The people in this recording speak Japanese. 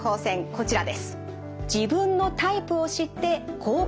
こちらです。